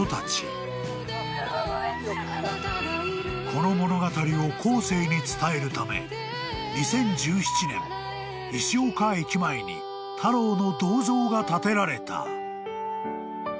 ［この物語を後世に伝えるため２０１７年石岡駅前にタローの銅像が建てられた］